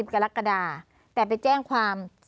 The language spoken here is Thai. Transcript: กรกฎาแต่ไปแจ้งความ